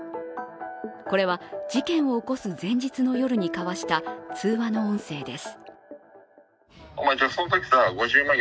これは事件を起こす前日の夜に交わした通話の音声です。